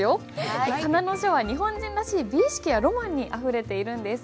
仮名の書は日本人らしい美意識やロマンにあふれているんです。